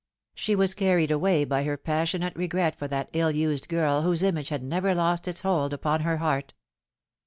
She was carried away by her passionate regret for that ill used girl whose image had never lost its hold upon her heart.